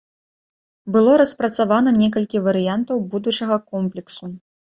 Было распрацавана некалькі варыянтаў будучага комплексу.